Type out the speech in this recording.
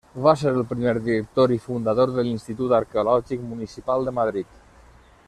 Va ser el primer director i fundador de l'Institut Arqueològic Municipal de Madrid.